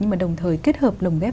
nhưng mà đồng thời kết hợp lồng ghép